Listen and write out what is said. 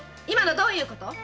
今のどういうこと！